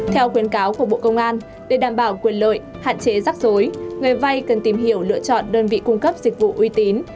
theo khuyến cáo của bộ công an để đảm bảo quyền lợi hạn chế rắc rối người vay cần tìm hiểu lựa chọn đơn vị cung cấp dịch vụ uy tín